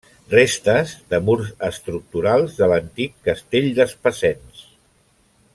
Restes de murs estructurals de l'antic Castell d'Espasens.